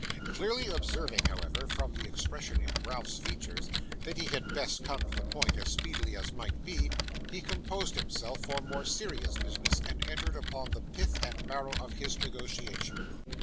Clearly observing, however, from the expression in Ralph's features, that he had best come to the point as speedily as might be, he composed himself for more serious business, and entered upon the pith and marrow of his negotiation.